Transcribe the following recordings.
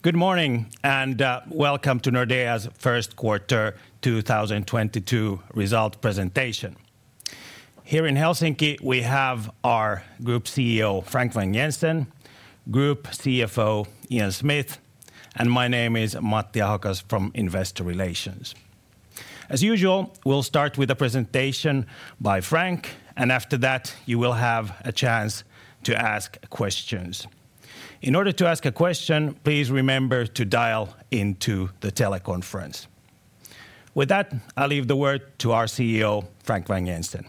Good morning, and welcome to Nordea's first quarter 2022 result presentation. Here in Helsinki, we have our Group CEO Frank Vang-Jensen, Group CFO Ian Smith, and my name is Matti Ahokas from Investor Relations. As usual, we'll start with a presentation by Frank, and after that you will have a chance to ask questions. In order to ask a question, please remember to dial into the teleconference. With that, I leave the word to our CEO, Frank Vang-Jensen.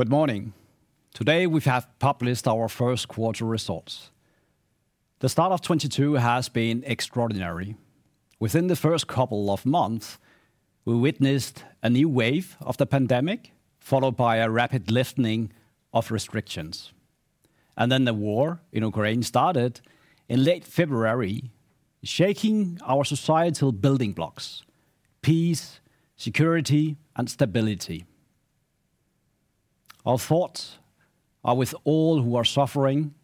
Good morning. Today, we have published our first quarter results. The start of 2022 has been extraordinary. Within the first couple of months, we witnessed a new wave of the pandemic, followed by a rapid lifting of restrictions. The war in Ukraine started in late February, shaking our societal building blocks, peace, security, and stability. Our thoughts are with all who are suffering,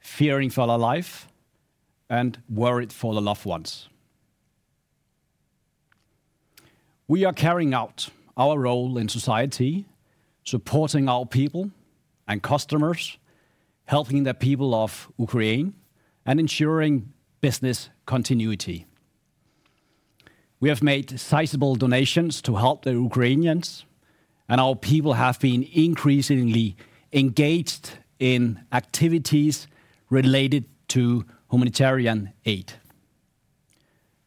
fearing for their life, and worried for their loved ones. We are carrying out our role in society, supporting our people and customers, helping the people of Ukraine, and ensuring business continuity. We have made sizable donations to help the Ukrainians, and our people have been increasingly engaged in activities related to humanitarian aid.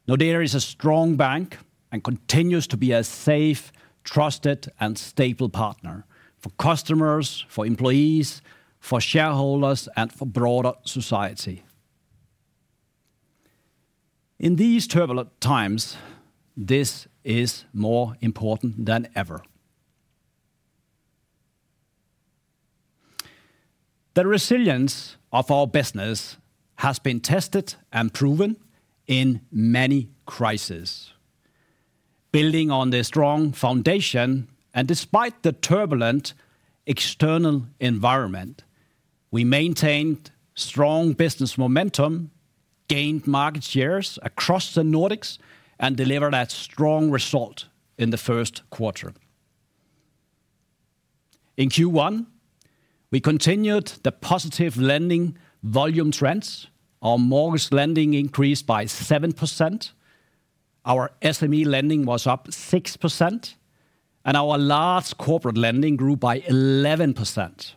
Nordea is a strong bank and continues to be a safe, trusted, and stable partner for customers, for employees, for shareholders, and for broader society. In these turbulent times, this is more important than ever. The resilience of our business has been tested and proven in many crises. Building on the strong foundation, and despite the turbulent external environment, we maintained strong business momentum, gained market shares across the Nordics, and delivered a strong result in the first quarter. In Q1, we continued the positive lending volume trends. Our mortgage lending increased by 7%, our SME lending was up 6%, and our large corporate lending grew by 11%.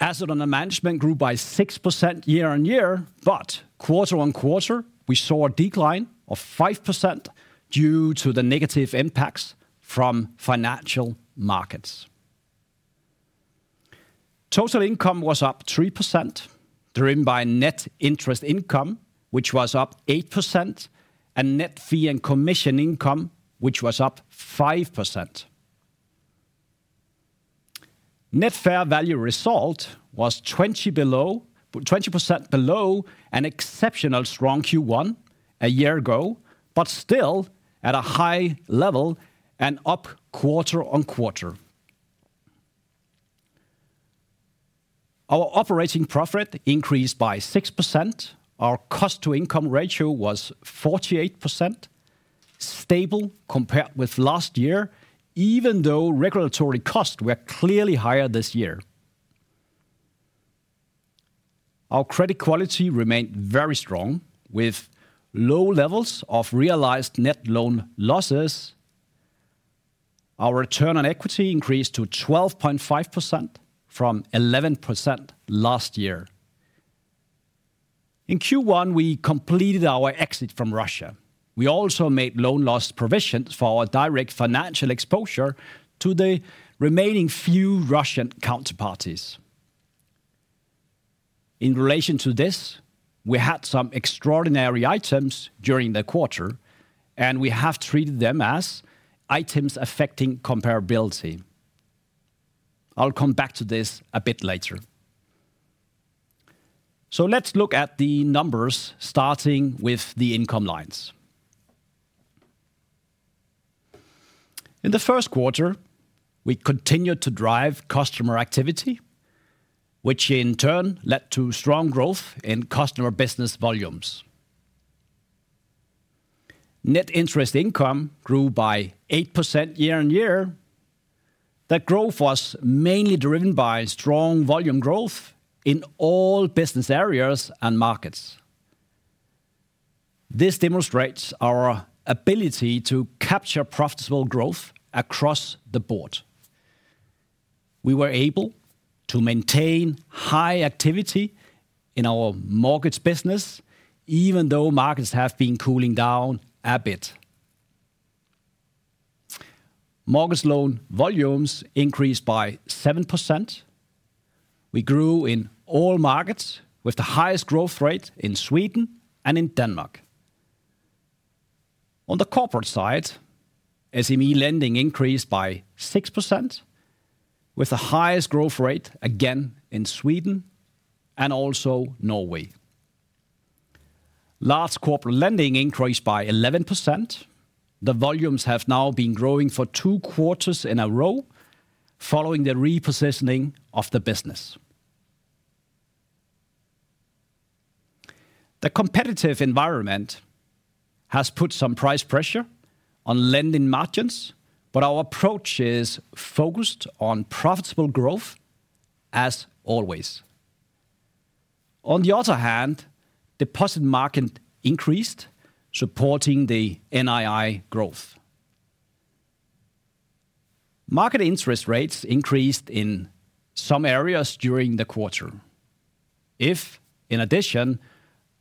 Assets under management grew by 6% year-on-year, but quarter-on-quarter we saw a decline of 5% due to the negative impacts from financial markets. Total income was up 3%, driven by net interest income, which was up 8%, and net fee and commission income, which was up 5%. Net fair value result was 20% below an exceptionally strong Q1 a year ago, but still at a high level and up quarter-on-quarter. Our operating profit increased by 6%. Our cost-to-income ratio was 48%, stable compared with last year, even though regulatory costs were clearly higher this year. Our credit quality remained very strong, with low levels of realized net loan losses. Our return on equity increased to 12.5% from 11% last year. In Q1, we completed our exit from Russia. We also made loan loss provisions for our direct financial exposure to the remaining few Russian counterparties. In relation to this, we had some extraordinary items during the quarter, and we have treated them as items affecting comparability. I'll come back to this a bit later. Let's look at the numbers, starting with the income lines. In the first quarter, we continued to drive customer activity, which in turn led to strong growth in customer business volumes. Net interest income grew by 8% year-on-year. That growth was mainly driven by strong volume growth in all business areas and markets. This demonstrates our ability to capture profitable growth across the board. We were able to maintain high activity in our mortgage business, even though markets have been cooling down a bit. Mortgage loan volumes increased by 7%. We grew in all markets, with the highest growth rate in Sweden and in Denmark. On the corporate side, SME lending increased by 6% with the highest growth rate again in Sweden and also Norway. Large corporate lending increased by 11%. The volumes have now been growing for two quarters in a row following the repositioning of the business. The competitive environment has put some price pressure on lending margins, but our approach is focused on profitable growth as always. On the other hand, deposit margins increased, supporting the NII growth. Market interest rates increased in some areas during the quarter. If, in addition,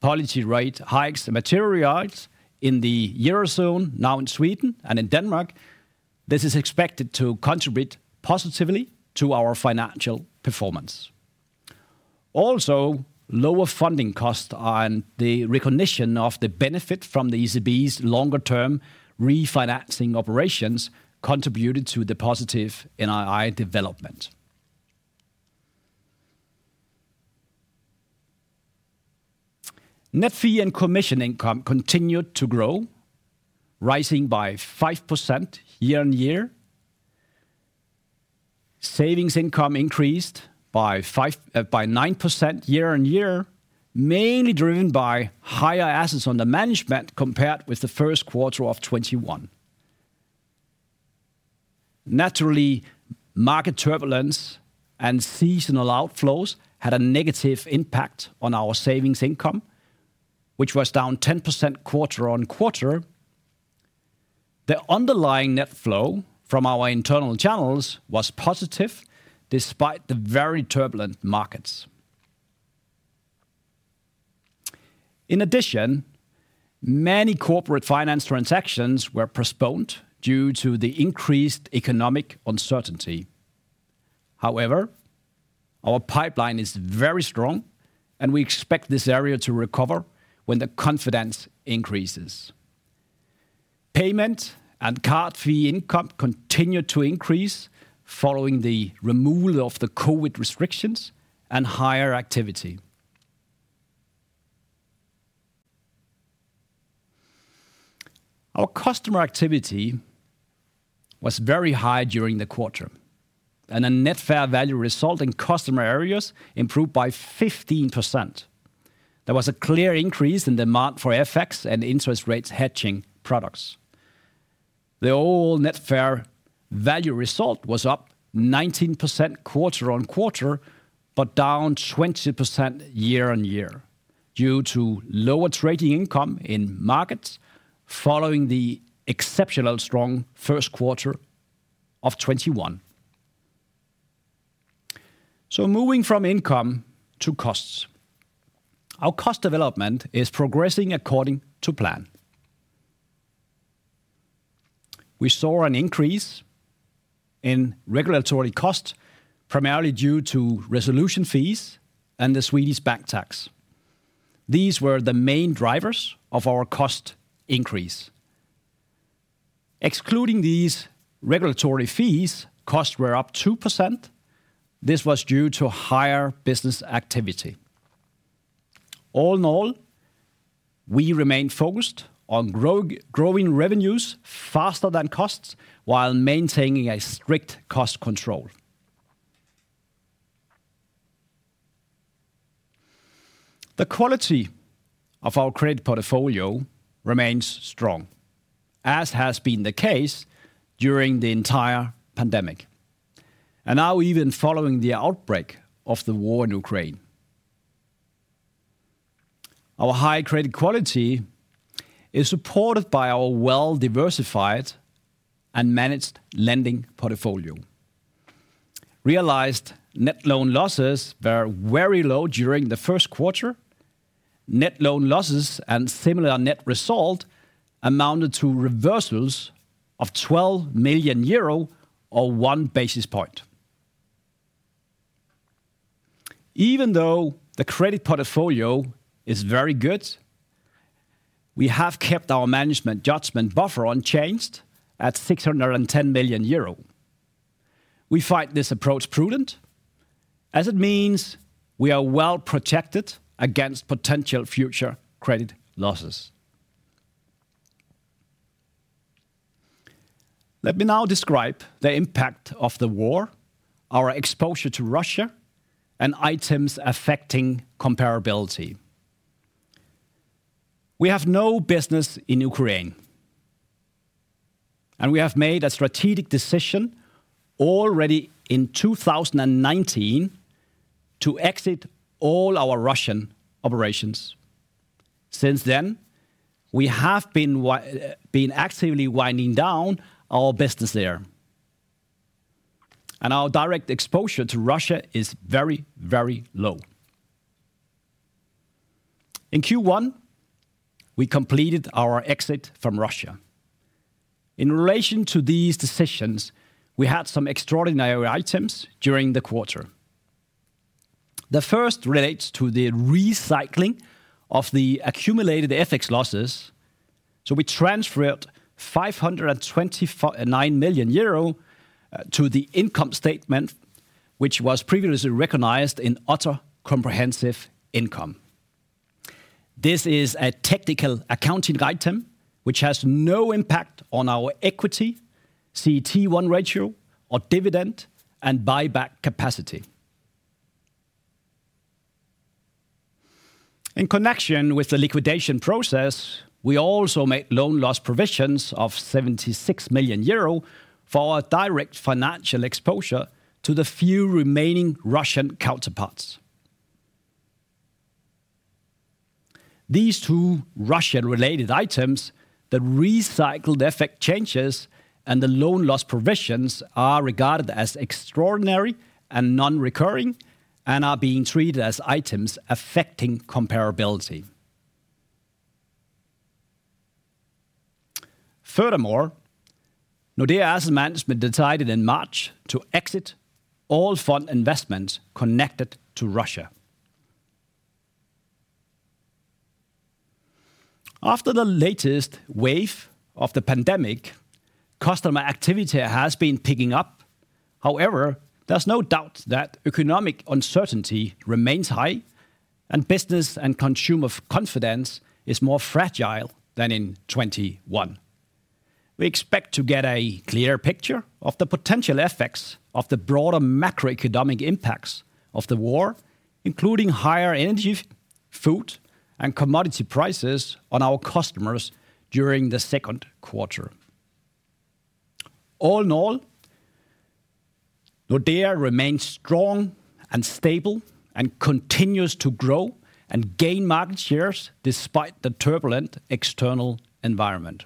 policy rate hikes materialize in the Eurozone, now in Sweden and in Denmark, this is expected to contribute positively to our financial performance. Also, lower funding costs and the recognition of the benefit from the ECB's longer-term refinancing operations contributed to the positive NII development. Net fee and commission income continued to grow, rising by 5% year-on-year. Savings income increased by 9% year-on-year, mainly driven by higher assets under management compared with the first quarter of 2021. Naturally, market turbulence and seasonal outflows had a negative impact on our savings income, which was down 10% quarter-on-quarter. The underlying net flow from our internal channels was positive despite the very turbulent markets. In addition, many corporate finance transactions were postponed due to the increased economic uncertainty. However, our pipeline is very strong, and we expect this area to recover when the confidence increases. Payment and card fee income continued to increase following the removal of the COVID restrictions and higher activity. Our customer activity was very high during the quarter, and the net fair value result in customer areas improved by 15%. There was a clear increase in demand for FX and interest rates hedging products. The overall net fair value result was up 19% quarter-on-quarter, but down 20% year-on-year due to lower trading income in markets following the exceptionally strong first quarter of 2021. Moving from income to costs. Our cost development is progressing according to plan. We saw an increase in regulatory costs, primarily due to resolution fees and the Swedish bank tax. These were the main drivers of our cost increase. Excluding these regulatory fees, costs were up 2%. This was due to higher business activity. All in all, we remain focused on growing revenues faster than costs while maintaining a strict cost control. The quality of our credit portfolio remains strong, as has been the case during the entire pandemic, and now even following the outbreak of the war in Ukraine. Our high credit quality is supported by our well-diversified and managed lending portfolio. Realized net loan losses were very low during the first quarter. Net loan losses and similar net result amounted to reversals of 12 million euro or one basis point. Even though the credit portfolio is very good, we have kept our management judgment buffer unchanged at 610 million euro. We find this approach prudent, as it means we are well protected against potential future credit losses. Let me now describe the impact of the war, our exposure to Russia, and items affecting comparability. We have no business in Ukraine, and we have made a strategic decision already in 2019 to exit all our Russian operations. Since then, we have been actively winding down our business there. Our direct exposure to Russia is very, very low. In Q1, we completed our exit from Russia. In relation to these decisions, we had some extraordinary items during the quarter. The first relates to the recycling of the accumulated OCI losses. We transferred 529 million euro to the income statement, which was previously recognized in other comprehensive income. This is a technical accounting item which has no impact on our equity, CET1 ratio or dividend and buyback capacity. In connection with the liquidation process, we also made loan loss provisions of 76 million euro for our direct financial exposure to the few remaining Russian counterparts. These two Russian related items, the recycled effect changes and the loan loss provisions, are regarded as extraordinary and non-recurring and are being treated as items affecting comparability. Furthermore, Nordea Asset Management decided in March to exit all fund investments connected to Russia. After the latest wave of the pandemic, customer activity has been picking up. However, there's no doubt that economic uncertainty remains high and business and consumer confidence is more fragile than in 2021. We expect to get a clearer picture of the potential effects of the broader macroeconomic impacts of the war, including higher energy, food, and commodity prices on our customers during the second quarter. All in all, Nordea remains strong and stable and continues to grow and gain market shares despite the turbulent external environment.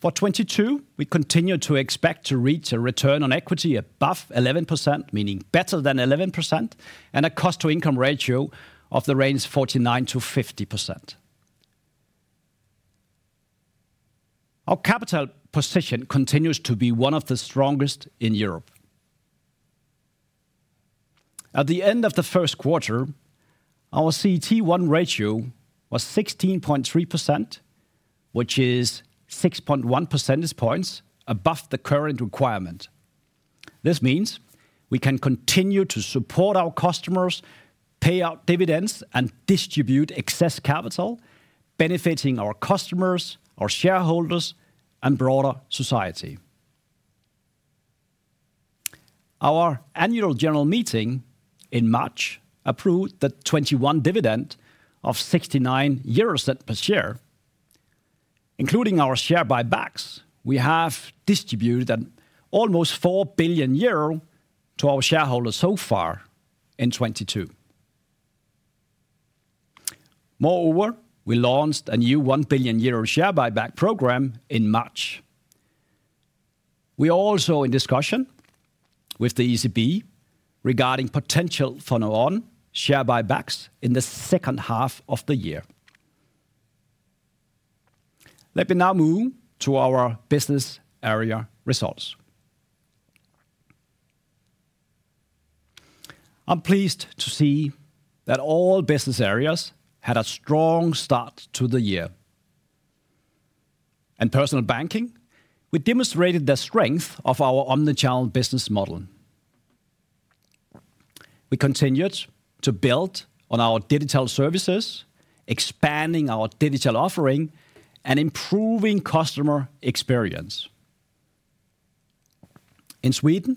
For 2022, we continue to expect to reach a return on equity above 11%, meaning better than 11%, and a cost-to-income ratio in the range 49%-50%. Our capital position continues to be one of the strongest in Europe. At the end of the first quarter, our CET1 ratio was 16.3%, which is 6.1 percentage points above the current requirement. This means we can continue to support our customers, pay out dividends, and distribute excess capital, benefiting our customers, our shareholders, and broader society. Our annual general meeting in March approved the 2021 dividend of 0.69 euros per share. Including our share buybacks, we have distributed an almost 4 billion euro to our shareholders so far in 2022. Moreover, we launched a new 1 billion euro share buyback program in March. We are also in discussion with the ECB regarding potential follow on share buybacks in the second half of the year. Let me now move to our business area results. I'm pleased to see that all business areas had a strong start to the year. In personal banking, we demonstrated the strength of our omnichannel business model. We continued to build on our digital services, expanding our digital offering and improving customer experience. In Sweden,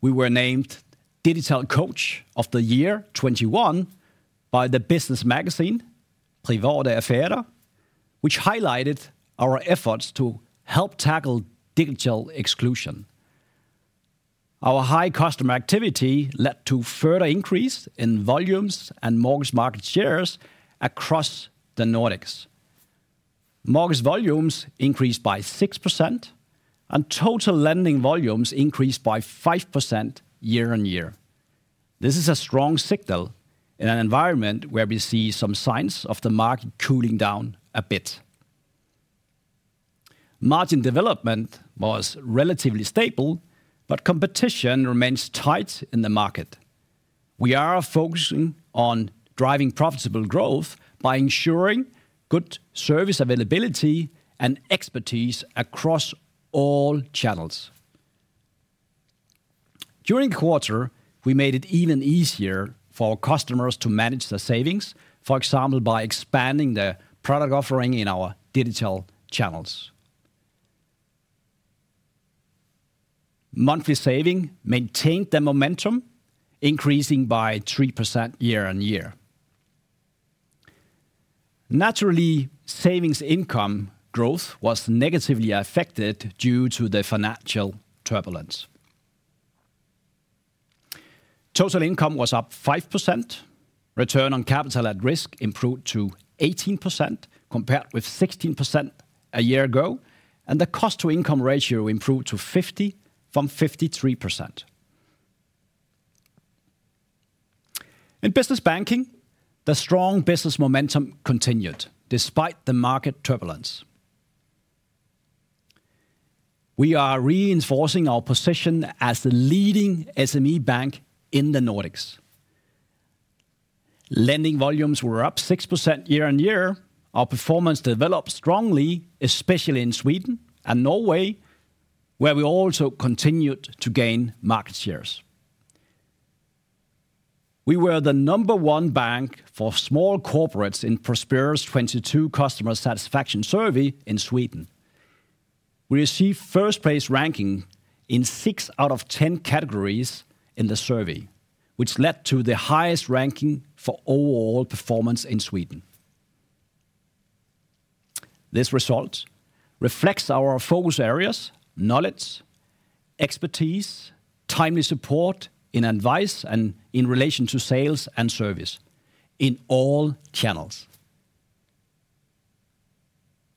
we were named Digital Coach of the Year 2021 by the business magazine Privata Affärer, which highlighted our efforts to help tackle digital exclusion. Our high customer activity led to further increase in volumes and mortgage market shares across the Nordics. Mortgage volumes increased by 6%, and total lending volumes increased by 5% year-on-year. This is a strong signal in an environment where we see some signs of the market cooling down a bit. Margin development was relatively stable, but competition remains tight in the market. We are focusing on driving profitable growth by ensuring good service availability and expertise across all channels. During the quarter, we made it even easier for customers to manage their savings, for example, by expanding the product offering in our digital channels. Monthly saving maintained the momentum, increasing by 3% year-on-year. Naturally, savings income growth was negatively affected due to the financial turbulence. Total income was up 5%. Return on capital at risk improved to 18%, compared with 16% a year ago. The cost-to-income ratio improved to 50% from 53%. In business banking, the strong business momentum continued despite the market turbulence. We are reinforcing our position as the leading SME bank in the Nordics. Lending volumes were up 6% year-on-year. Our performance developed strongly, especially in Sweden and Norway, where we also continued to gain market shares. We were the number one bank for small corporates in Prospera’s 2022 customer satisfaction survey in Sweden. We received first place ranking in 6 out of 10 categories in the survey, which led to the highest ranking for overall performance in Sweden. This result reflects our focus areas, knowledge, expertise, timely support in advice, and in relation to sales and service in all channels.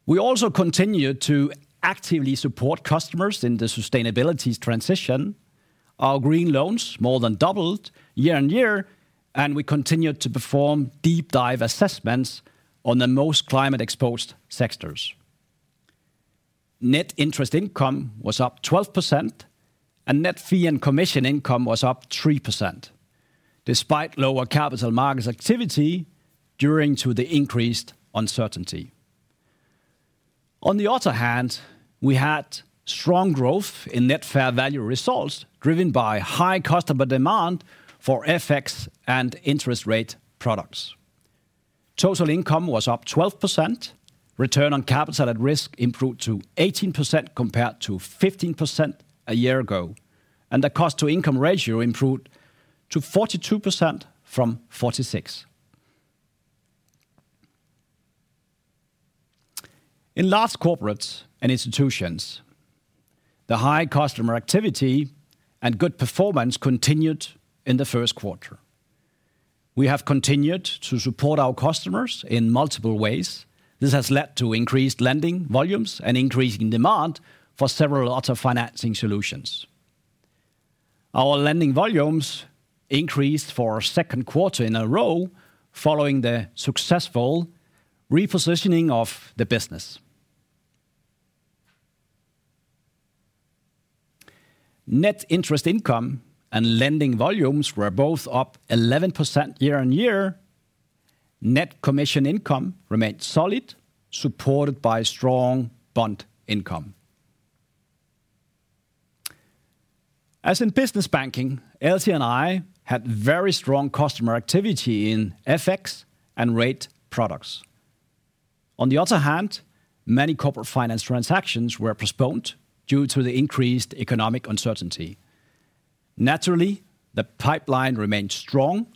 We also continue to actively support customers in the sustainability transition. Our green loans more than doubled year-on-year, and we continued to perform deep dive assessments on the most climate exposed sectors. Net interest income was up 12% and net fee and commission income was up 3% despite lower capital markets activity due to the increased uncertainty. On the other hand, we had strong growth in net fair value results, driven by high customer demand for FX and interest rate products. Total income was up 12%. Return on capital at risk improved to 18% compared to 15% a year ago, and the cost-to-income ratio improved to 42% from 46%. In Large Corporates & Institutions, the high customer activity and good performance continued in the first quarter. We have continued to support our customers in multiple ways. This has led to increased lending volumes and increasing demand for several other financing solutions. Our lending volumes increased for a second quarter in a row following the successful repositioning of the business. Net interest income and lending volumes were both up 11% year-on-year. Net commission income remained solid, supported by strong bond income. As in business banking, LC&I had very strong customer activity in FX and rate products. On the other hand, many corporate finance transactions were postponed due to the increased economic uncertainty. Naturally, the pipeline remained strong,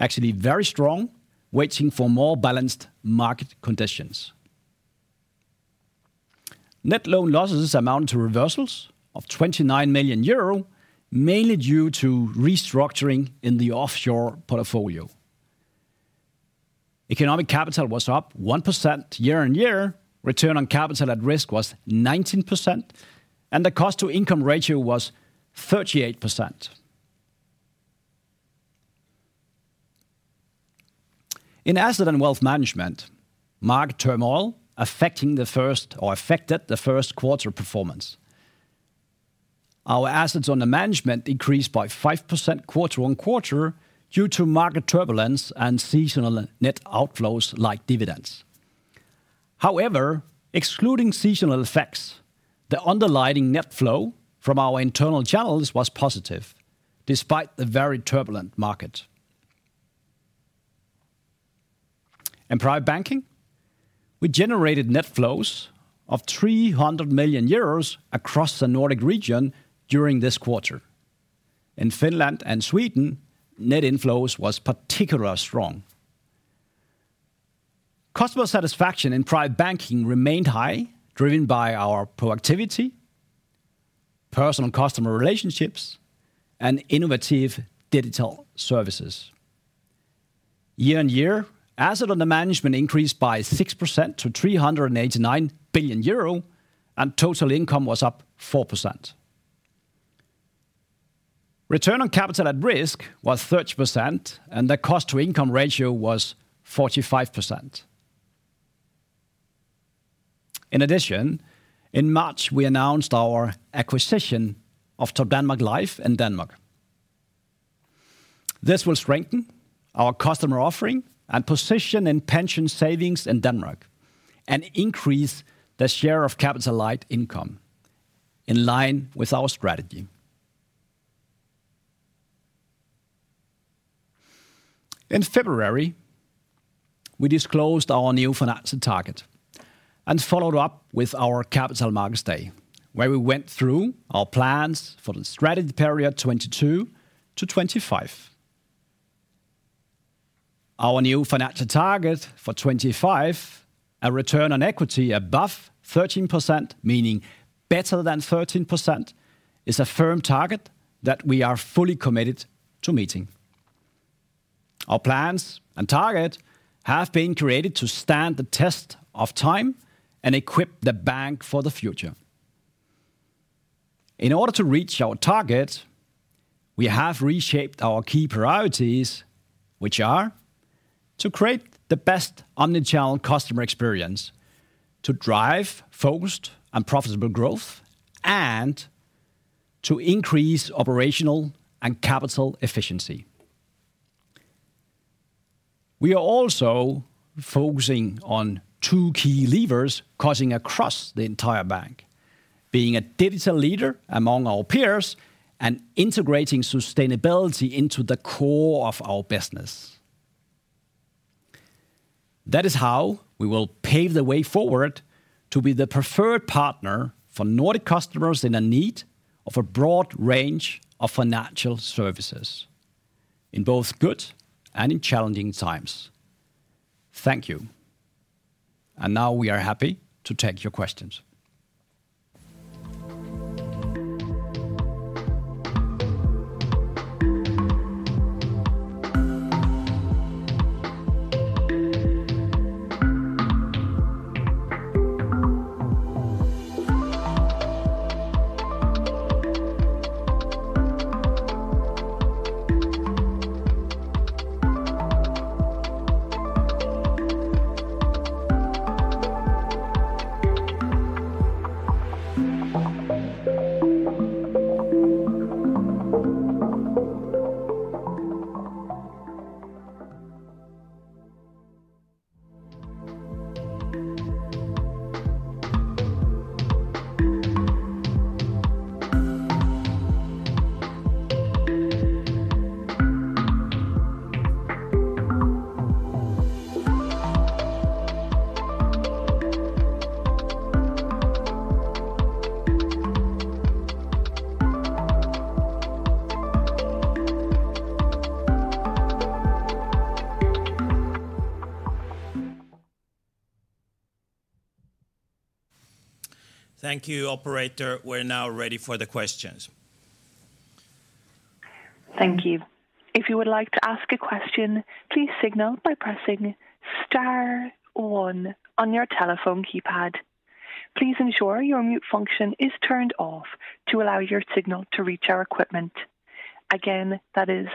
actually very strong, waiting for more balanced market conditions. Net loan losses amount to reversals of 29 million euro, mainly due to restructuring in the offshore portfolio. Economic capital was up 1% year-on-year. Return on capital at risk was 19% and the cost-to-income ratio was 38%. In asset and wealth management, market turmoil affected the first quarter performance. Our assets under management increased by 5% quarter-on-quarter due to market turbulence and seasonal net outflows like dividends. However, excluding seasonal effects, the underlying net flow from our internal channels was positive despite the very turbulent market. In private banking, we generated net flows of 300 million euros across the Nordic region during this quarter. In Finland and Sweden, net inflows was particularly strong. Customer satisfaction in private banking remained high, driven by our proactivity, personal customer relationships, and innovative digital services. Year-on-year, assets under management increased by 6% to 389 billion euro, and total income was up 4%. Return on capital at risk was 30%, and the cost-to-income ratio was 45%. In addition, in March, we announced our acquisition of Topdanmark Life in Denmark. This will strengthen our customer offering and position in pension savings in Denmark and increase the share of capital light income in line with our strategy. In February, we disclosed our new financial target and followed up with our Capital Markets Day, where we went through our plans for the strategy period 2022 to 2025. Our new financial target for 2025, a return on equity above 13%, meaning better than 13%, is a firm target that we are fully committed to meeting. Our plans and target have been created to stand the test of time and equip the bank for the future. In order to reach our target, we have reshaped our key priorities, which are to create the best omnichannel customer experience, to drive focused and profitable growth, and to increase operational and capital efficiency. We are also focusing on two key levers across the entire bank, being a digital leader among our peers and integrating sustainability into the core of our business. That is how we will pave the way forward to be the preferred partner for Nordic customers in need of a broad range of financial services in both good and challenging times. Thank you. Now we are happy to take your questions. Thank you, operator. We're now ready for the questions. Thank you. If you would like to ask a question, please signal by pressing star one on your telephone keypad. Please ensure your mute function is turned off to allow your signal to reach our equipment. Again, that is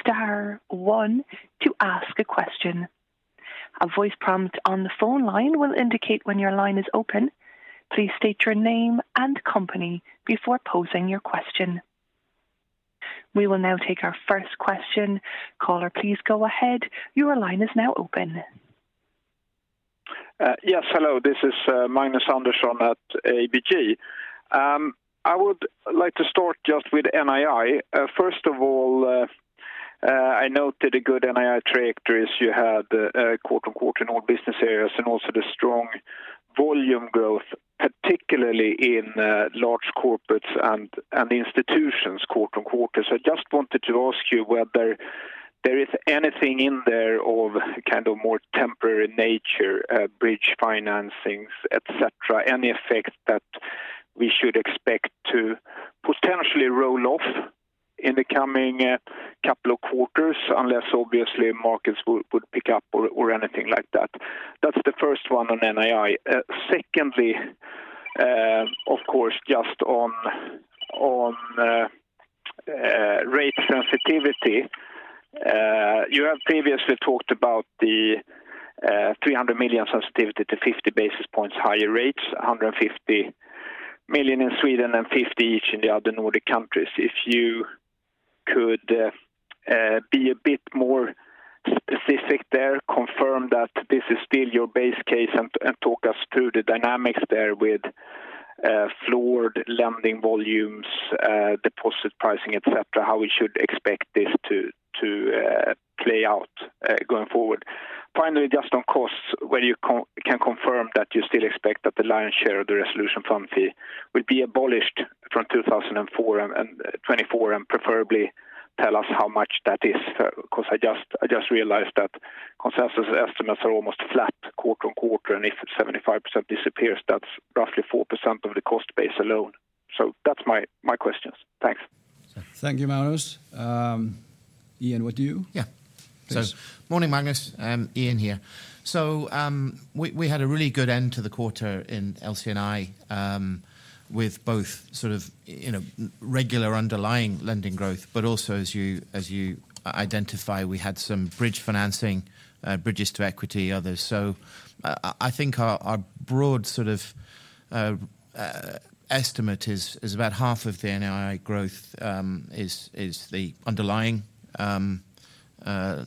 star one to ask a question. A voice prompt on the phone line will indicate when your line is open. Please state your name and company before posing your question. We will now take our first question. Caller, please go ahead. Your line is now open. Yes. Hello. This is Magnus Andersson at ABG. I would like to start just with NII. First of all, I noted a good NII trajectories you had quarter-on-quarter in all business areas and also the strong volume growth, particularly in large corporates and institutions quarter-on-quarter. I just wanted to ask you whether there is anything in there of kind of more temporary nature, bridge financings, et cetera. Any effect that we should expect to potentially roll off in the coming couple of quarters, unless obviously markets would pick up or anything like that. That's the first one on NII. Secondly, of course, just on rate sensitivity. You have previously talked about the 300 million sensitivity to 50 basis points higher rates, 150 million in Sweden and 50 each in the other Nordic countries. If you could be a bit more specific there, confirm that this is still your base case and talk us through the dynamics there with floored lending volumes, deposit pricing, et cetera, how we should expect this to play out going forward. Finally, just on costs, whether you can confirm that you still expect that the lion's share of the resolution fees will be abolished from 2024, and preferably tell us how much that is. I just realized that consensus estimates are almost flat quarter-over-quarter, and if 75% disappears, that's roughly 4% of the cost base alone. That's my questions. Thanks. Thank you, Magnus. Ian, with you. Yeah. Please. Morning, Magnus. Ian here. We had a really good end to the quarter in LC&I, with both sort of, you know, regular underlying lending growth, but also as you identify, we had some bridge financing, bridges to equity, others. I think our broad sort of estimate is about half of the NII growth is the underlying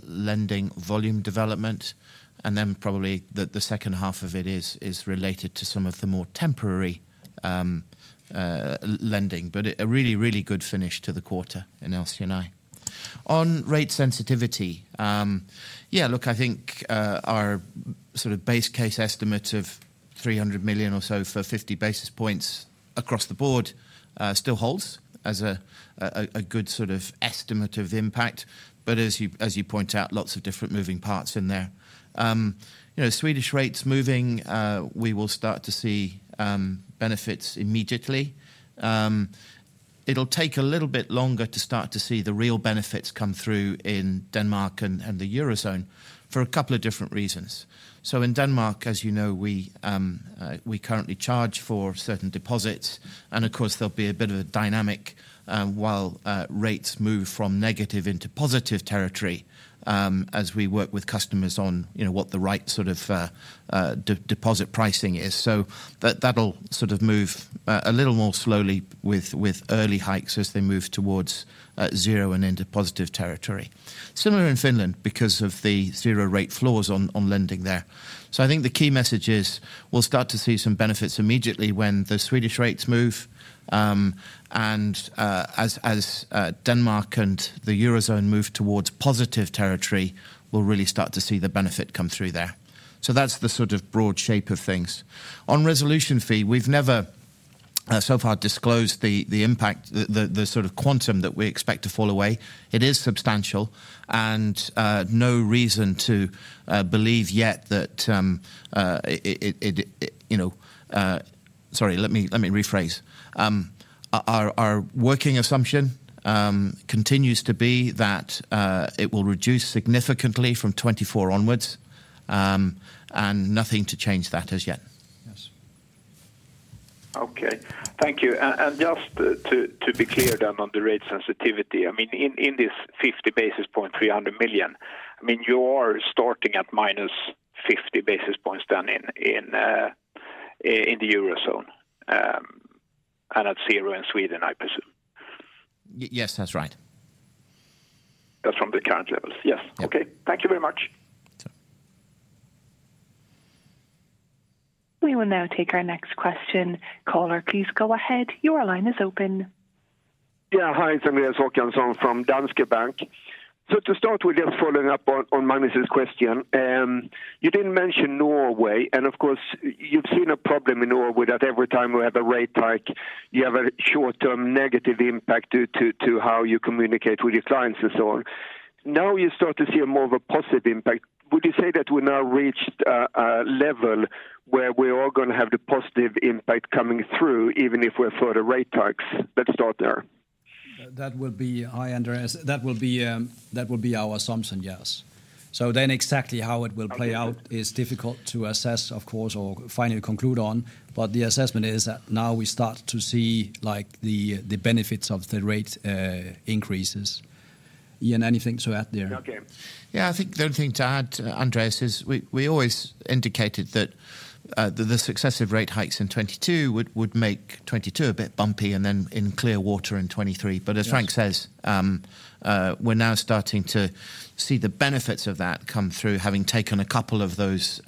lending volume development, and then probably the second half of it is related to some of the more temporary lending. A really good finish to the quarter in LC&I. On rate sensitivity, I think our sort of base case estimate of 300 million or so for 50 basis points across the board still holds as a good sort of estimate of impact. As you point out, lots of different moving parts in there. You know, Swedish rates moving, we will start to see benefits immediately. It'll take a little bit longer to start to see the real benefits come through in Denmark and the Eurozone for a couple of different reasons. In Denmark, as you know, we currently charge for certain deposits, and of course, there'll be a bit of a dynamic while rates move from negative into positive territory, as we work with customers on, you know, what the right sort of deposit pricing is. That'll sort of move a little more slowly with early hikes as they move towards zero and into positive territory. Similar in Finland because of the zero rate floors on lending there. I think the key message is we'll start to see some benefits immediately when the Swedish rates move. As Denmark and the Eurozone move towards positive territory, we'll really start to see the benefit come through there. That's the sort of broad shape of things. On resolution fees, we've never so far disclosed the impact, the sort of quantum that we expect to fall away. It is substantial and no reason to believe yet that it you know. Sorry, let me rephrase. Our working assumption continues to be that it will reduce significantly from 2024 onwards, and nothing to change that as yet. Yes. Okay. Thank you. Just to be clear then on the rate sensitivity, I mean, in this 50 basis points, 300 million, I mean, you are starting at -50 basis points down in the Eurozone, and at zero in Sweden, I presume. Yes, that's right. That's from the current levels. Yes. Yeah. Okay. Thank you very much. We will now take our next question. Caller, please go ahead. Your line is open. Yeah. Hi, it's Andreas Håkansson from Danske Bank. To start with, just following up on Magnus' question, you didn't mention Norway, and of course, you've seen a problem in Norway that every time we have a rate hike, you have a short-term negative impact due to how you communicate with your clients and so on. Now you start to see more of a positive impact. Would you say that we now reached a level where we're all gonna have the positive impact coming through, even if there are further rate hikes? Let's start there. Hi, Andreas. That will be our assumption, yes. Exactly how it will play out is difficult to assess, of course, or finally conclude on, but the assessment is that now we start to see, like, the benefits of the rate increases. Ian, anything to add there? Okay. Yeah. I think the only thing to add, Andreas, is we always indicated that the successive rate hikes in 2022 would make 2022 a bit bumpy and then in clear water in 2023. Yes. As Frank says, we're now starting to see the benefits of that come through, having taken a couple of those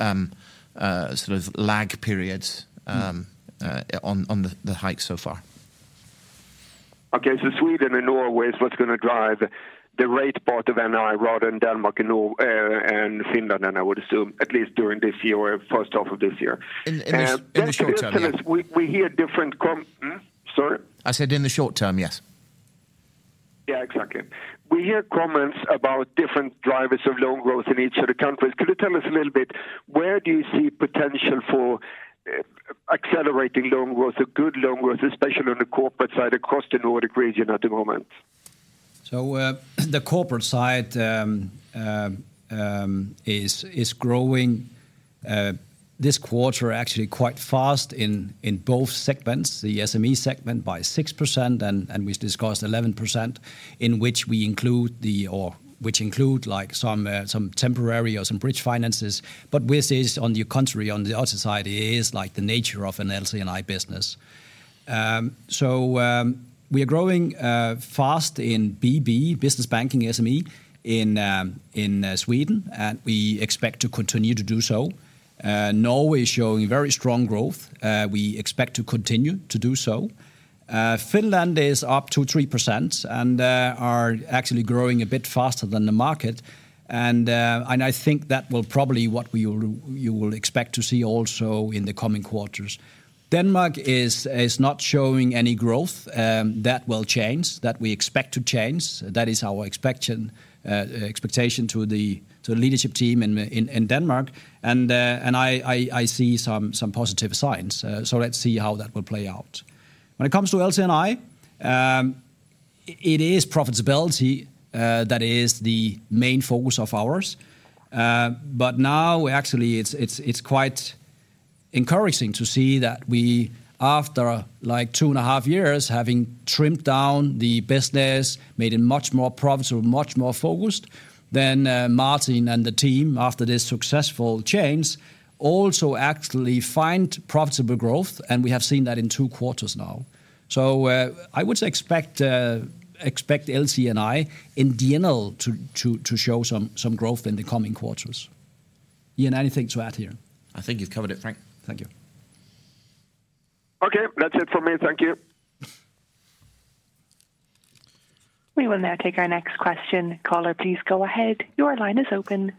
sort of lag periods on the hike so far. Okay. Sweden and Norway is what's gonna drive the rate part of NII rather than Denmark and Finland, and I would assume at least during this year or first half of this year. In the short term, yes. Just curious, we hear different com-- Hmm? Sorry? I said in the short term, yes. Yeah, exactly. We hear comments about different drivers of loan growth in each of the countries. Could you tell us a little bit, where do you see potential for accelerating loan growth or good loan growth, especially on the corporate side across the Nordic region at the moment? The corporate side is growing this quarter actually quite fast in both segments, the SME segment by 6% and we've discussed 11%, which include like some temporary or some bridge finances. On the contrary, on the other side is like the nature of an LC&I business. We are growing fast in BB, business banking SME in Sweden, and we expect to continue to do so. Norway is showing very strong growth. We expect to continue to do so. Finland is up 3% and are actually growing a bit faster than the market. I think that will probably what you will expect to see also in the coming quarters. Denmark is not showing any growth. That will change. That we expect to change. That is our expectation to the leadership team in Denmark. I see some positive signs. Let's see how that will play out. When it comes to LC&I, it is profitability that is the main focus of ours. Now actually it's quite encouraging to see that we, after, like, two and a half years having trimmed down the business, made it much more profitable, much more focused than Martin and the team after this successful change, also actually find profitable growth, and we have seen that in two quarters now. I would expect LC&I in D&L to show some growth in the coming quarters. Ian, anything to add here? I think you've covered it, Frank. Thank you. Okay. That's it for me. Thank you. We will now take our next question. Caller, please go ahead. Your line is open.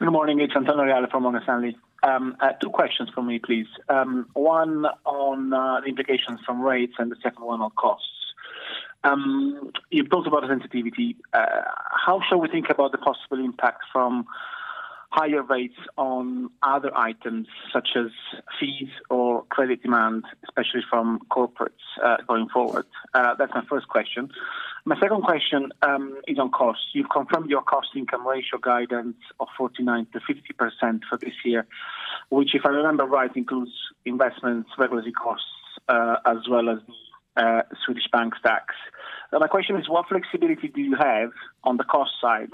Good morning. It's Antonio Reale from Morgan Stanley. Two questions for me, please. One on the implications from rates and the second one on costs. You've talked about sensitivity. How shall we think about the possible impact from higher rates on other items such as fees or credit demand, especially from corporates, going forward? That's my first question. My second question is on costs. You've confirmed your cost-to-income ratio guidance of 49%-50% for this year, which if I remember right includes investments, regulatory costs, as well as, Swedish bank tax. Now my question is what flexibility do you have on the cost side,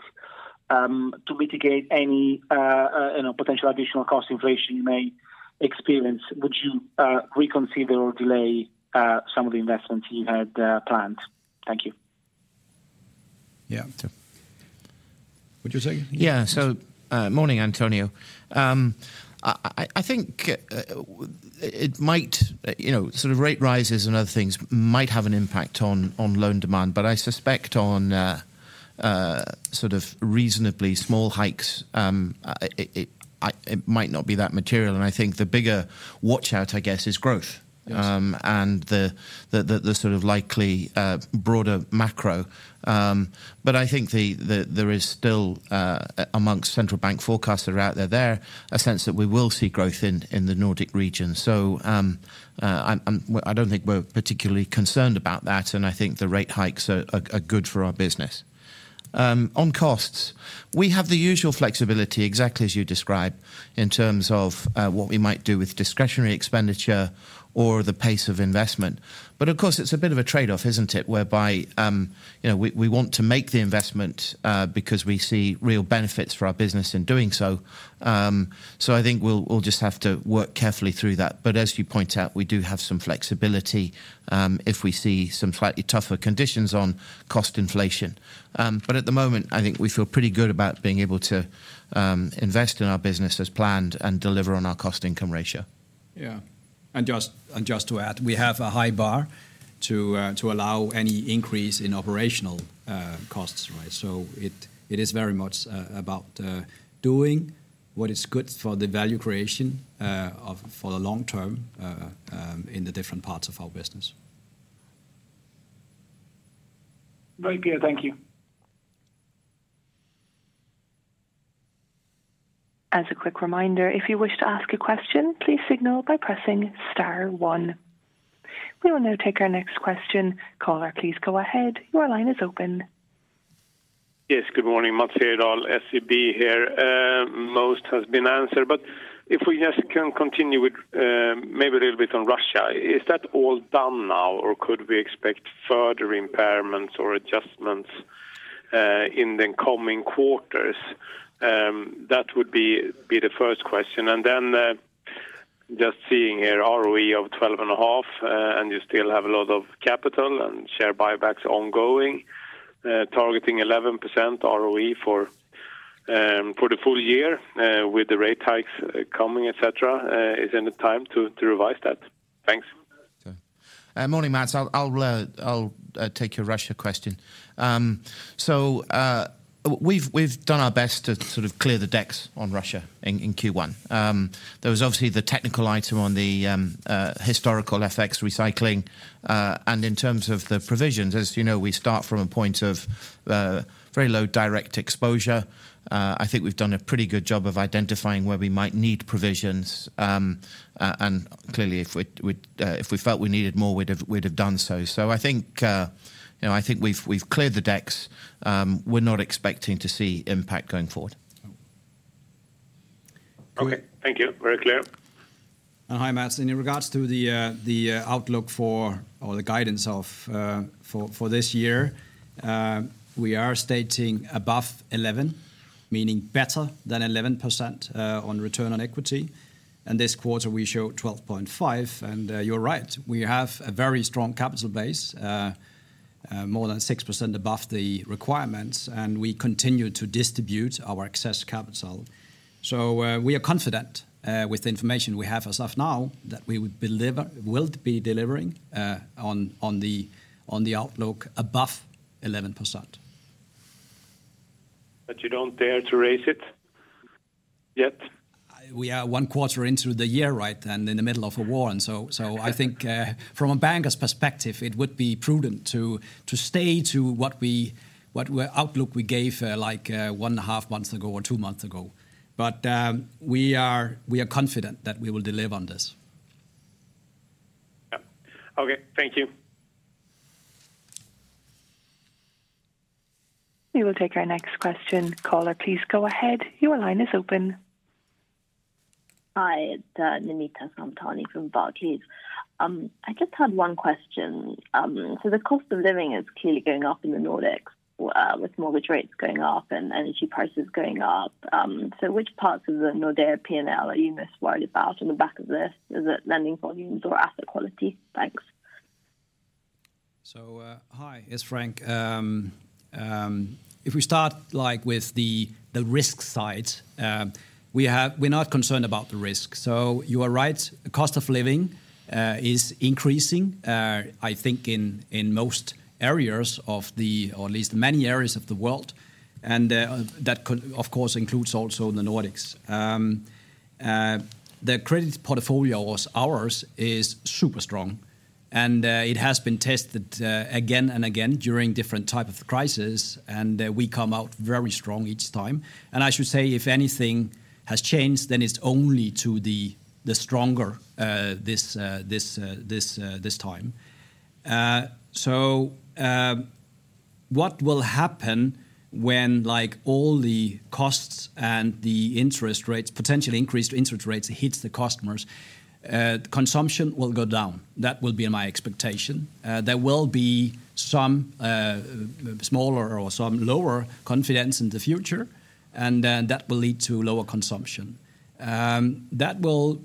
to mitigate any, you know, potential additional cost inflation you may experience? Would you reconsider or delay some of the investments you had planned? Thank you. Yeah. Would you say? Yeah. Morning, Antonio. I think it might, you know, sort of rate rises and other things might have an impact on loan demand. I suspect on sort of reasonably small hikes it might not be that material. I think the bigger watch out, I guess, is growth. Yes. The sort of likely broader macro. I think there is still among central bank forecasts that are out there's a sense that we will see growth in the Nordic region. I don't think we're particularly concerned about that, and I think the rate hikes are good for our business. On costs, we have the usual flexibility exactly as you described, in terms of what we might do with discretionary expenditure or the pace of investment. Of course, it's a bit of a trade-off, isn't it? Whereby, you know, we want to make the investment because we see real benefits for our business in doing so. I think we'll just have to work carefully through that. As you point out, we do have some flexibility if we see some slightly tougher conditions on cost inflation. At the moment, I think we feel pretty good about being able to invest in our business as planned and deliver on our cost-to-income ratio. Just to add, we have a high bar to allow any increase in operational costs, right? It is very much about doing what is good for the value creation for the long term in the different parts of our business. Right. Yeah, thank you. As a quick reminder, if you wish to ask a question, please signal by pressing star one. We will now take our next question. Caller, please go ahead. Your line is open. Yes. Good morning. Maths Liljedahl, SEB here. Most has been answered, if we just can continue with maybe a little bit on Russia. Is that all done now, or could we expect further impairments or adjustments in the coming quarters? That would be the first question. Just seeing here ROE of 12.5%, and you still have a lot of capital and share buybacks ongoing, targeting 11% ROE for the full year, with the rate hikes coming, et cetera. Is it the time to revise that? Thanks. Morning, Maths. I'll take your Russia question. We've done our best to sort of clear the decks on Russia in Q1. There was obviously the technical item on the historical FX recycling. In terms of the provisions, as you know, we start from a point of very low direct exposure. I think we've done a pretty good job of identifying where we might need provisions. And clearly, if we felt we needed more, we'd have done so. I think, you know, I think we've cleared the decks. We're not expecting to see impact going forward. Okay. Thank you. Very clear. Hi, Mats. In regards to the outlook or the guidance for this year, we are stating above 11%, meaning better than 11% on return on equity. This quarter we show 12.5%. You're right, we have a very strong capital base, more than 6% above the requirements, and we continue to distribute our excess capital. We are confident with the information we have as of now that we'll be delivering on the outlook above 11%. You don't dare to raise it yet? We are one quarter into the year, right, and in the middle of a war. I think from a banker's perspective, it would be prudent to stay to the outlook we gave like 1.5 months ago or two months ago. We are confident that we will deliver on this. Yeah. Okay. Thank you. We will take our next question. Caller, please go ahead. Your line is open. Hi. It's Namita Samtani from Barclays. I just had one question. The cost of living is clearly going up in the Nordics, with mortgage rates going up and energy prices going up. Which parts of the Nordea P&L are you most worried about on the back of this? Is it lending volumes or asset quality? Thanks. Hi. It's Frank. If we start, like, with the risk side, we're not concerned about the risk. You are right, cost of living is increasing, I think in most areas or at least many areas of the world. That of course includes also the Nordics. Our credit portfolio is super strong. It has been tested again and again during different type of crisis, and we come out very strong each time. I should say, if anything has changed, then it's only to the stronger this time. What will happen when like all the costs and the interest rates, potentially increased interest rates hits the customers, consumption will go down. That will be my expectation. There will be some smaller or some lower confidence in the future, and then that will lead to lower consumption. That will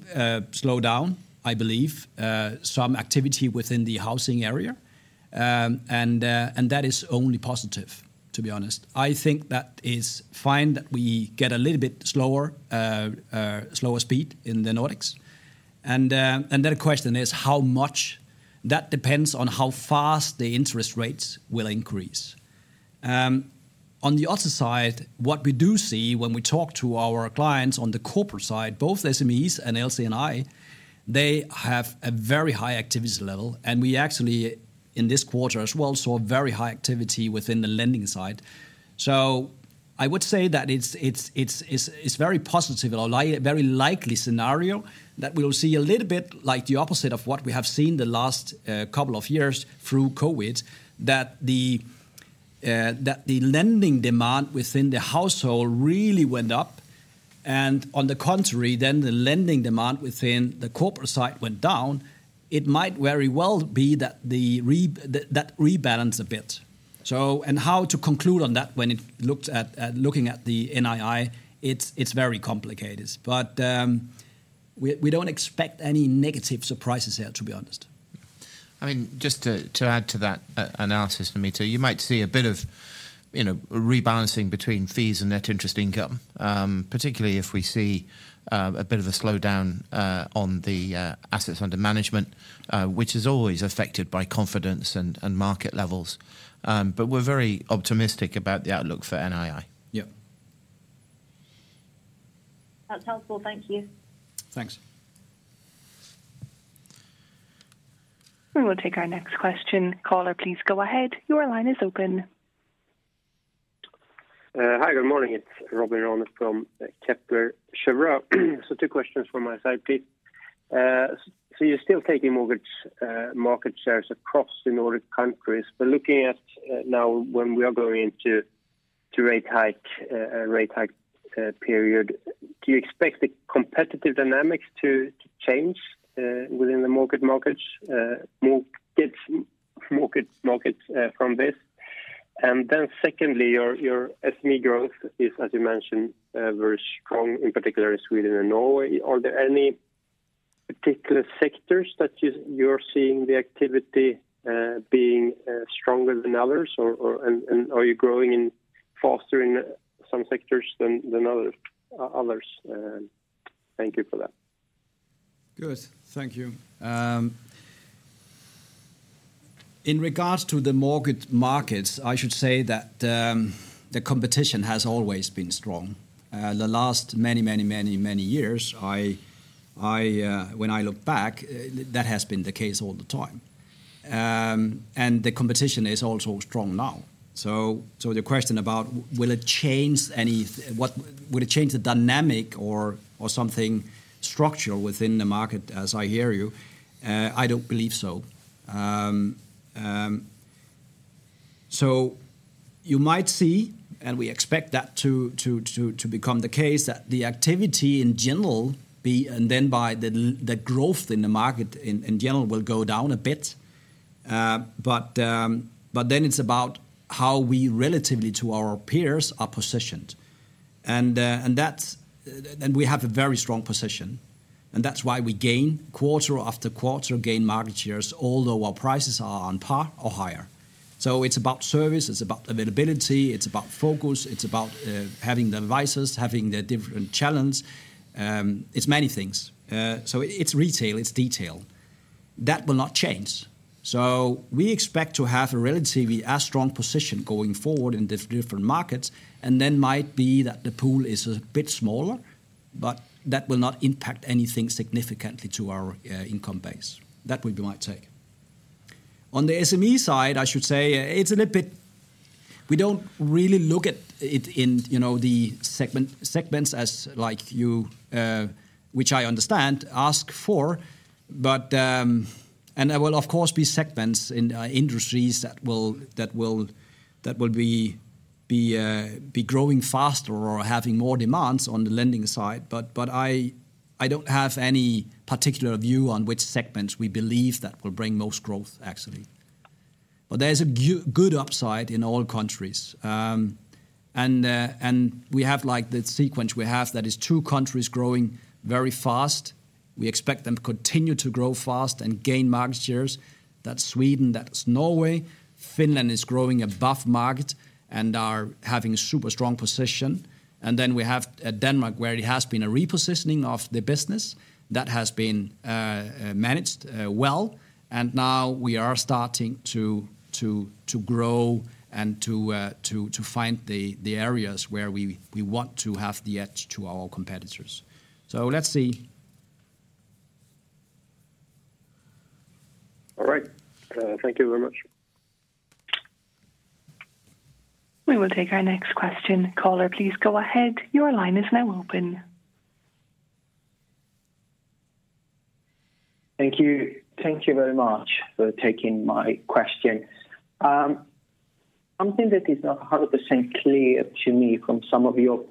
slow down, I believe, some activity within the housing area. That is only positive, to be honest. I think that is fine that we get a little bit slower speed in the Nordics. The question is how much that depends on how fast the interest rates will increase. On the other side, what we do see when we talk to our clients on the corporate side, both SMEs and LC&I, they have a very high activity level. We actually, in this quarter as well, saw very high activity within the lending side. I would say that it's very likely scenario that we'll see a little bit like the opposite of what we have seen the last couple of years through COVID, that the lending demand within the household really went up. On the contrary, then the lending demand within the corporate side went down. It might very well be that that rebalance a bit. How to conclude on that when looking at the NII, it's very complicated. We don't expect any negative surprises here, to be honest. I mean, just to add to that analysis, Namita, you might see a bit of, you know, rebalancing between fees and net interest income, particularly if we see a bit of a slowdown on the assets under management, which is always affected by confidence and market levels. We're very optimistic about the outlook for NII. Yeah. That's helpful. Thank you. Thanks. We will take our next question. Caller, please go ahead. Your line is open. Hi, good morning. It's Robin Rane from Kepler Cheuvreux. Two questions from my side, please. You're still taking mortgage market shares across the Nordic countries. Looking at now when we are going into a rate hike period, do you expect the competitive dynamics to change within the mortgage markets from this? Then secondly, your SME growth is, as you mentioned, very strong, in particular in Sweden and Norway. Are there any particular sectors that you're seeing the activity being stronger than others? Or and are you growing faster in some sectors than others? Thank you for that. Good. Thank you. In regards to the mortgage markets, I should say that the competition has always been strong. The last many years, when I look back, that has been the case all the time. The competition is also strong now. The question about will it change the dynamic or something structural within the market as I hear you? I don't believe so. You might see, and we expect that to become the case, that the activity in general, and then the growth in the market in general will go down a bit. But then it's about how we relatively to our peers are positioned. We have a very strong position, and that's why we gain quarter-after-quarter market shares, although our prices are on par or higher. It's about service, it's about availability, it's about focus, it's about having the advice, having the different channels. It's many things. It's retail, it's digital. That will not change. We expect to have a relatively as strong position going forward in the different markets, and then might be that the pool is a bit smaller, but that will not impact anything significantly to our income base. That we might take. On the SME side, I should say it's a little bit. We don't really look at it in the segments as like you, which I understand, ask for. There will of course be segments in industries that will be growing faster or having more demands on the lending side. I don't have any particular view on which segments we believe that will bring most growth actually. There's a good upside in all countries. We have like the sequence we have that is two countries growing very fast. We expect them to continue to grow fast and gain market shares. That's Sweden, that's Norway. Finland is growing above market and are having a super strong position. We have Denmark, where it has been a repositioning of the business that has been managed well, and now we are starting to grow and to find the areas where we want to have the edge over our competitors. Let's see. Thank you very much. We will take our next question. Caller, please go ahead. Your line is now open. Thank you. Thank you very much for taking my question. Something that is not 100% clear to me from some of your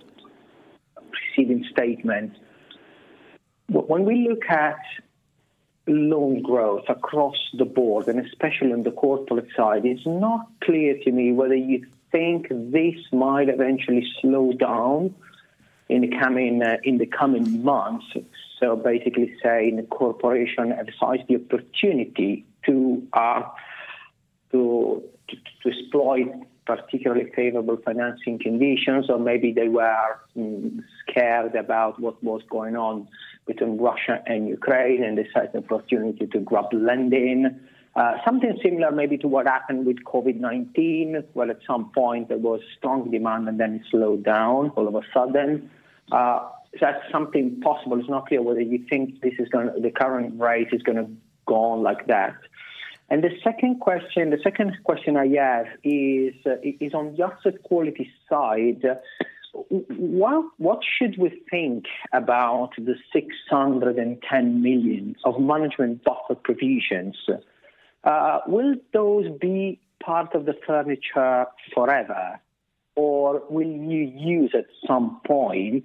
preceding statements. When we look at loan growth across the board, and especially on the corporate side, it's not clear to me whether you think this might eventually slow down in the coming months. Basically saying the corporation exercises the opportunity to exploit particularly favorable financing conditions or maybe they were scared about what was going on between Russia and Ukraine and they saw the opportunity to grab lending. Something similar maybe to what happened with COVID-19. Well, at some point there was strong demand and then it slowed down all of a sudden. Is that something possible? It's not clear whether you think the current rate is gonna go on like that. The second question I have is on the asset quality side. What should we think about the 610 million of management buffer provisions? Will those be part of the furniture forever or will you use at some point?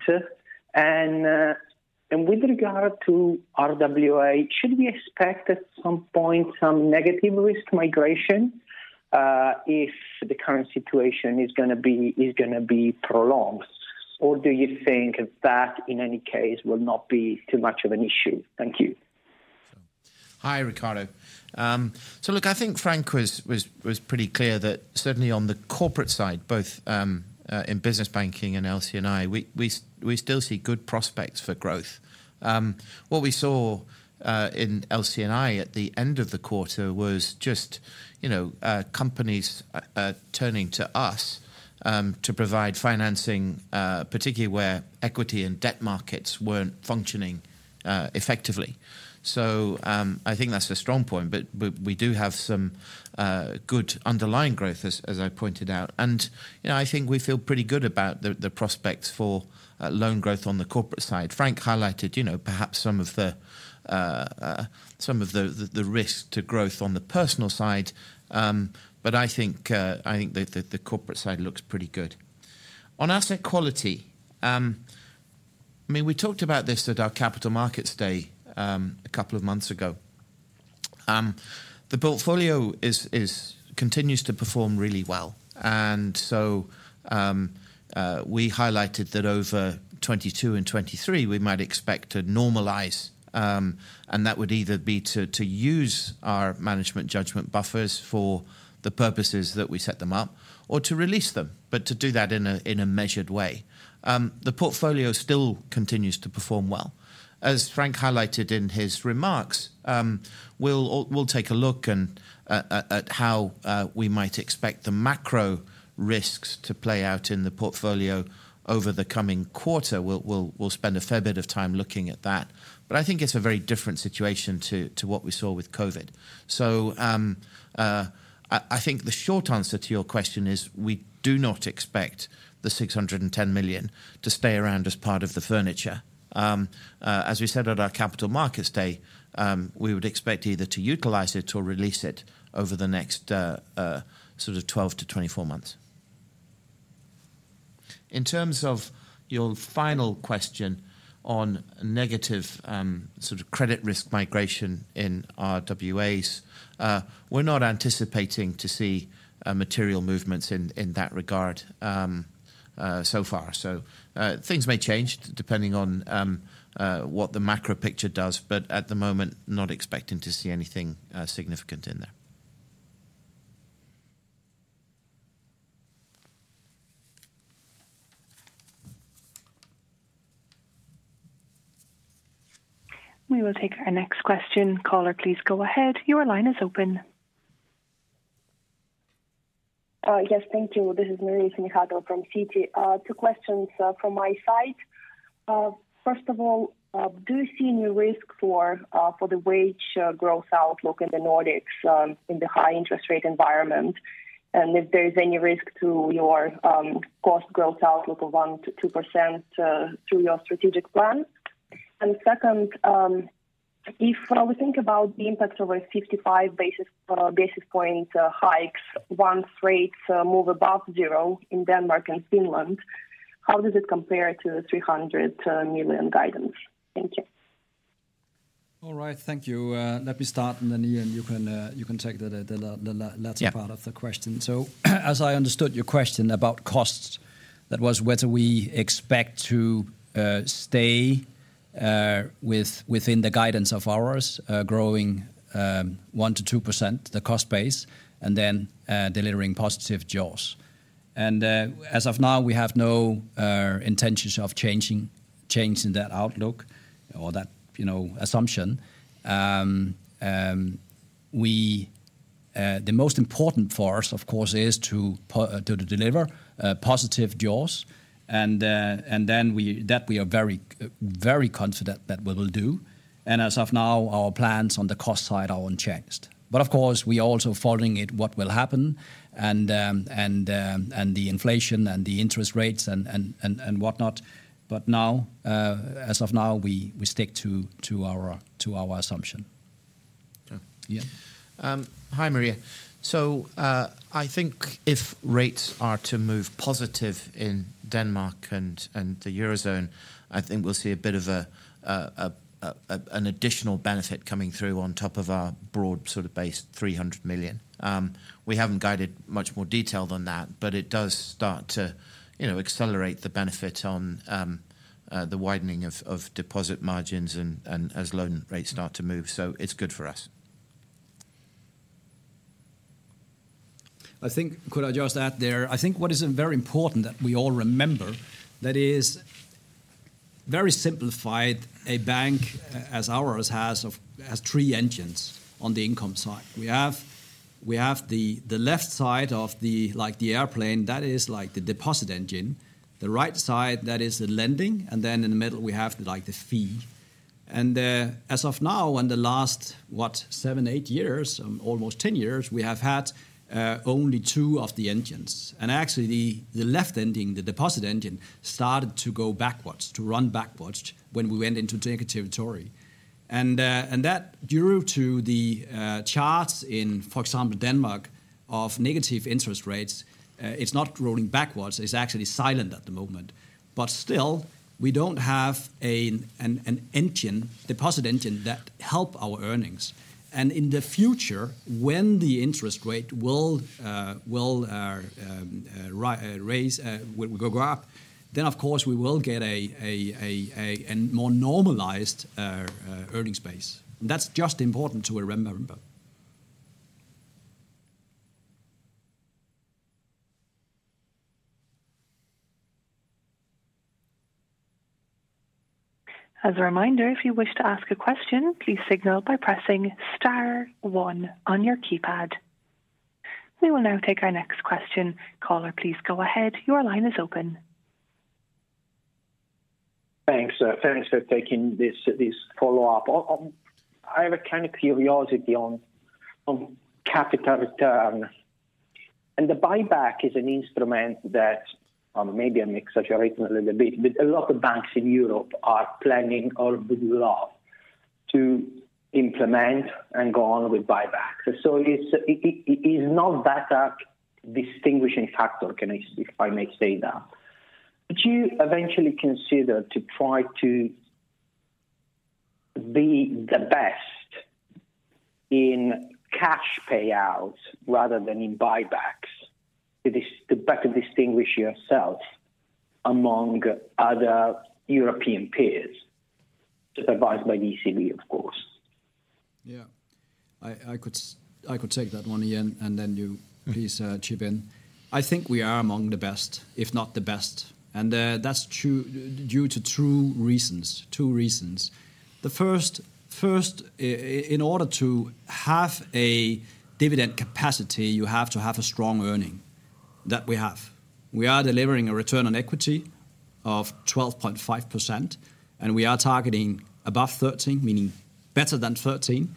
With regard to RWA, should we expect at some point some negative risk migration if the current situation is gonna be prolonged? Or do you think that in any case will not be too much of an issue? Thank you. Hi, Riccardo. So look, I think Frank was pretty clear that certainly on the corporate side, both in business banking and LC&I, we still see good prospects for growth. What we saw in LC&I at the end of the quarter was just, you know, companies turning to us to provide financing, particularly where equity and debt markets weren't functioning effectively. I think that's a strong point, but we do have some good underlying growth as I pointed out. You know, I think we feel pretty good about the prospects for loan growth on the corporate side. Frank highlighted, you know, perhaps some of the risk to growth on the personal side. I think the corporate side looks pretty good. On asset quality, I mean, we talked about this at our Capital Markets Day a couple of months ago. The portfolio continues to perform really well. We highlighted that over 2022 and 2023 we might expect to normalize, and that would either be to use our management judgement buffers for the purposes that we set them up or to release them, but to do that in a measured way. The portfolio still continues to perform well. As Frank highlighted in his remarks, we'll take a look at how we might expect the macro risks to play out in the portfolio over the coming quarter. We'll spend a fair bit of time looking at that. I think it's a very different situation to what we saw with COVID. I think the short answer to your question is we do not expect the 610 million to stay around as part of the furniture. As we said at our Capital Markets Day, we would expect either to utilize it or release it over the next sort of 12-24 months. In terms of your final question on negative sort of credit risk migration in RWAs, we're not anticipating to see material movements in that regard so far. Things may change depending on what the macro picture does, but at the moment, not expecting to see anything significant in there. We will take our next question. Caller, please go ahead. Your line is open. Yes. Thank you. This is Maria Semikhatova from Citi. Two questions from my side. First of all, do you see any risk for the wage growth outlook in the Nordics in the high interest rate environment? If there is any risk to your cost growth outlook of 1%-2% through your strategic plan. Second, if we think about the impact of over 55 basis points hikes once rates move above zero in Denmark and Finland, how does it compare to the 300 million guidance? Thank you. All right. Thank you. Let me start, and then Ian, you can take the Yeah. The latter part of the question. As I understood your question about costs, that was whether we expect to stay within the guidance of ours, growing 1%-2% the cost base and then delivering positive jaws. As of now, we have no intentions of changing that outlook or that, you know, assumption. The most important for us, of course, is to deliver positive jaws, and that we are very, very confident that we will do. As of now, our plans on the cost side are unchanged. Of course, we are also following what will happen, and the inflation and the interest rates and whatnot. Now, as of now, we stick to our assumption. Okay. Yeah. Hi Maria. I think if rates are to move positive in Denmark and the Eurozone, I think we'll see a bit of an additional benefit coming through on top of our broad sort of base 300 million. We haven't guided much more detail than that, but it does start to, you know, accelerate the benefit on the widening of deposit margins and as loan rates start to move. It's good for us. I think, could I just add there, I think what is very important that we all remember that is very simplified, a bank as ours has three engines on the income side. We have the left side, like the airplane, that is like the deposit engine. The right side, that is the lending. Then in the middle, we have like the fee. As of now, in the last, what, seven, eight years, almost ten years, we have had only two of the engines. Actually the left engine, the deposit engine, started to go backwards, to run backwards when we went into negative territory. That due to the change in, for example, Denmark of negative interest rates, it's not rolling backwards, it's actually silent at the moment. Still, we don't have a deposit engine that help our earnings. In the future, when the interest rate will go up, then of course we will get a more normalized earning space. That's just important to remember. As a reminder, if you wish to ask a question, please signal by pressing star one on your keypad. We will now take our next question. Caller, please go ahead. Your line is open. Thanks. Thanks for taking this follow-up. I have a kind of curiosity on capital return. The buyback is an instrument that, or maybe I'm exaggerating a little bit, but a lot of banks in Europe are planning or would love to implement and go on with buyback. It's not that distinguishing factor, can I say, if I may say that. Would you eventually consider to try to be the best in cash payouts rather than in buybacks to better distinguish yourself among other European peers supervised by ECB, of course? I could take that one, Ian, and then you please, chip in. I think we are among the best, if not the best. That's true due to two reasons. Two reasons. The first, in order to have a dividend capacity, you have to have a strong earnings. That we have. We are delivering a return on equity of 12.5%, and we are targeting above 13%, meaning better than 13%,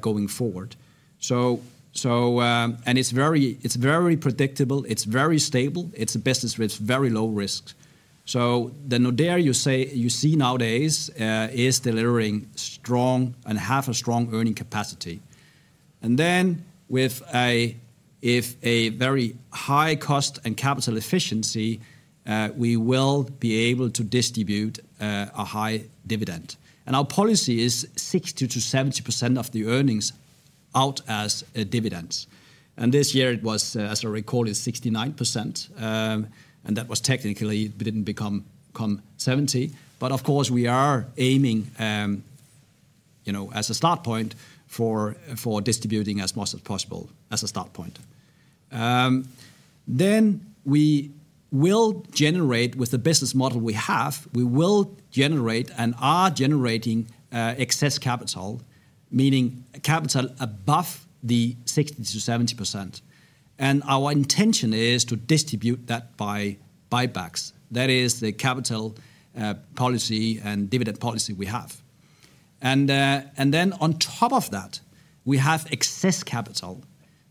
going forward. It's very predictable. It's very stable. It's a business with very low risks. The Nordea you see nowadays is delivering strong and has a strong earnings capacity. With a very high cost and capital efficiency, we will be able to distribute a high dividend. Our policy is 60%-70% of the earnings out as dividends. This year it was, as I recall, 69%, and that was technically didn't become 70%. Of course, we are aiming, you know, as a start point for distributing as much as possible, as a start point. With the business model we have, we will generate and are generating excess capital, meaning capital above the 60%-70%. Our intention is to distribute that by buybacks. That is the capital policy and dividend policy we have. On top of that, we have excess capital.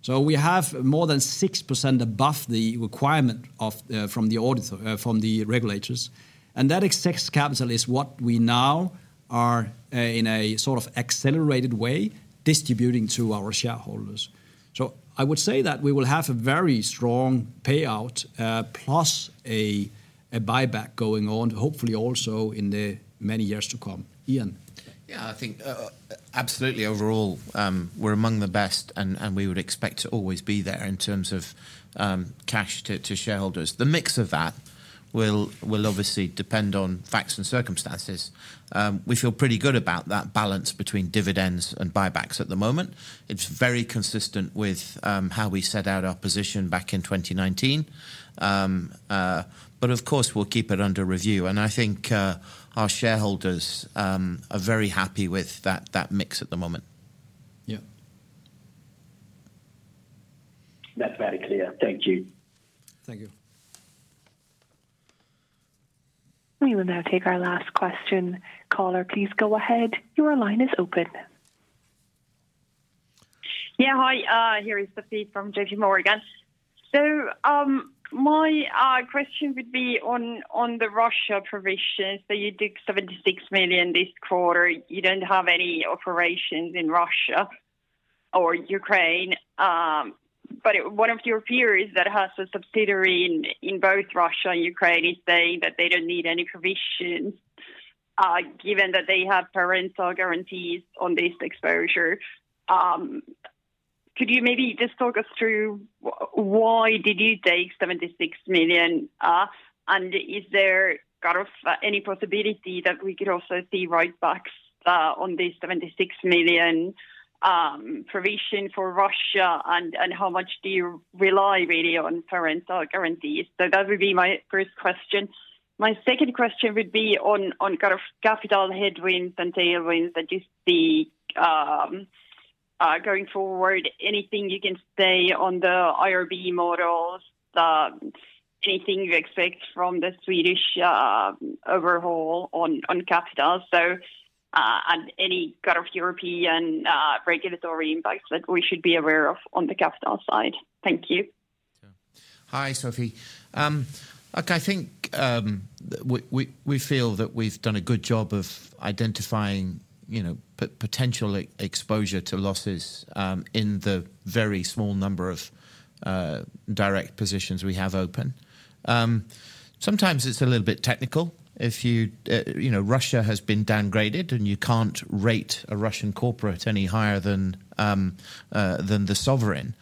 We have more than 6% above the requirement of from the auditor from the regulators. That excess capital is what we now are in a sort of accelerated way distributing to our shareholders. I would say that we will have a very strong payout, plus a buyback going on, hopefully also in the many years to come. Ian. Yeah. I think absolutely overall we're among the best, and we would expect to always be there in terms of cash to shareholders. The mix of that will obviously depend on facts and circumstances. We feel pretty good about that balance between dividends and buybacks at the moment. It's very consistent with how we set out our position back in 2019. But of course, we'll keep it under review. I think our shareholders are very happy with that mix at the moment. Yeah. That's very clear. Thank you. Thank you. We will now take our last question. Caller, please go ahead. Your line is open. Hi, here is Sofie from JPMorgan. My question would be on the Russia provisions. You did 76 million this quarter. You don't have any operations in Russia or Ukraine. But one of your peers that has a subsidiary in both Russia and Ukraine is saying that they don't need any provisions, given that they have parent guarantees on this exposure. Could you maybe just talk us through why did you take 76 million? And is there kind of any possibility that we could also see write backs on the 76 million provision for Russia, and how much do you rely really on parent guarantees? That would be my first question. My second question would be on kind of capital headwinds and tailwinds that you see going forward. Anything you can say on the IRB models? Anything you expect from the Swedish overhaul on capital? And any kind of European regulatory impacts that we should be aware of on the capital side. Thank you. Hi, Sofie. Look, I think we feel that we've done a good job of identifying, you know, potential exposure to losses in the very small number of direct positions we have open. Sometimes it's a little bit technical. You know, Russia has been downgraded, and you can't rate a Russian corporate any higher than the sovereign.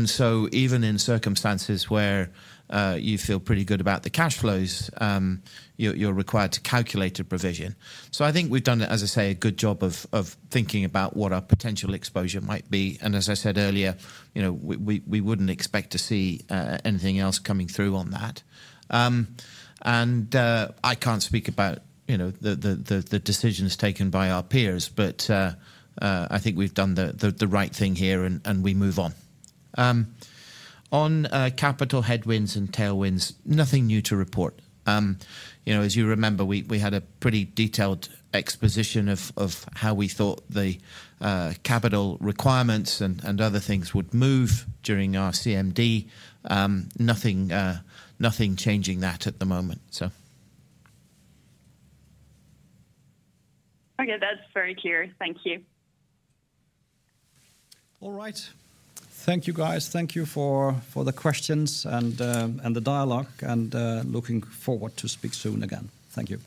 Even in circumstances where you feel pretty good about the cash flows, you're required to calculate a provision. I think we've done, as I say, a good job of thinking about what our potential exposure might be. As I said earlier, you know, we wouldn't expect to see anything else coming through on that. I can't speak about, you know, the decisions taken by our peers, but I think we've done the right thing here and we move on. On capital headwinds and tailwinds, nothing new to report. You know, as you remember, we had a pretty detailed exposition of how we thought the capital requirements and other things would move during our CMD. Nothing changing that at the moment, so. Okay. That's very clear. Thank you. All right. Thank you guys. Thank you for the questions and the dialogue, and looking forward to speak soon again. Thank you.